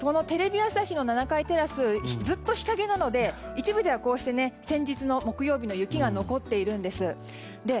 テレビ朝日の７階テラスずっと日陰なので一部ではこうして先日の木曜日の雪が残っているんです。